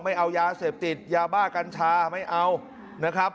ไม่เอายาเสพติดยาบ้ากัญชาไม่เอานะครับ